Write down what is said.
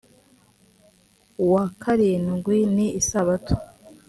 wa karindwi ni isabato